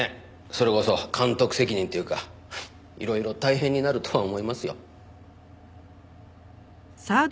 それこそ監督責任っていうかいろいろ大変になるとは思いますよ。